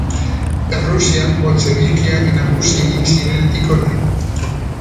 Errusian boltxebikeak nagusi egin zirenetik hona.